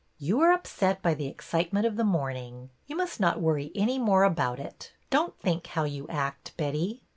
You are upset by the excitement of the morn ing. You must not worry any more about it. Don't think how you act, Betty."